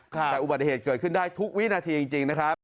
แต่อุบัติเหตุเกิดขึ้นได้ทุกวินาทีจริงนะครับ